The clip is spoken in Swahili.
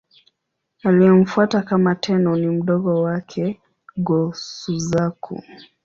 Aliyemfuata kama Tenno ni mdogo wake, Go-Suzaku.